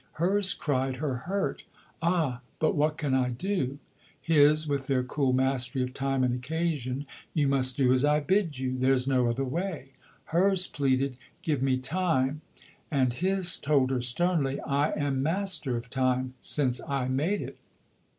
Hers cried her hurt, "Ah, but what can I do?" His, with their cool mastery of time and occasion, "You must do as I bid you. There's no other way." Hers pleaded, "Give me time," and his told her sternly, "I am master of time since I made it."